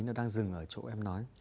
nó đang dừng ở chỗ em nói